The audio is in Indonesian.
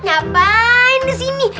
ngapain di sini